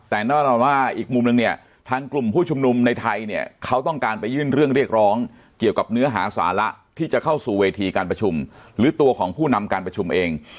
แต่แน่นอนว่าอีกมุมนึงเนี่ยทางกลุ่มผู้ชุมนุมในไทยเนี่ยเขาต้องการไปยื่นเรื่องเรียกร้องเกี่ยวกับเนื้อหาสาระที่จะเข้าสู่เวทีการประชุมหรือตัวของผู้นำการประชุมเอง